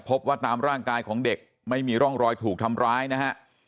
พบว่าตามร่างกายของเด็กไม่มีร่องรอยถูกทำร้ายนะฮะ